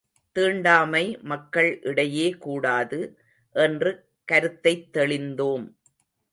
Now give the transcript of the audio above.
தீண்டாமை மக்கள் இடையே கூடாது, என்று கருத்தைத் தெளிந்தோம்.